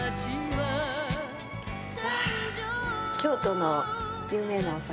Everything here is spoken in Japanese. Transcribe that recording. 京都の有名なお酒。